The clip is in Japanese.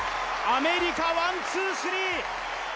アメリカワン・ツー・スリー！